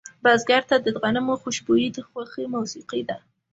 بزګر ته د غنمو خوشبويي د خوښې موسیقي ده